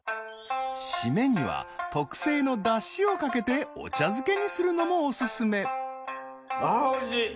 しめには特製のだしをかけてお茶漬けにするのもおすすめあおいしい。